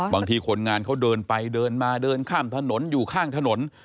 คนงานเขาเดินไปเดินมาเดินข้ามถนนอยู่ข้างถนน